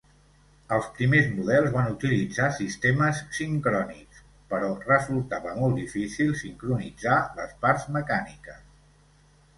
Els primers models van utilitzar sistemes sincrònics, però resultava molt difícil sincronitzar les parts mecàniques.